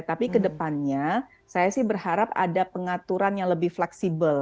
tapi kedepannya saya sih berharap ada pengaturan yang lebih fleksibel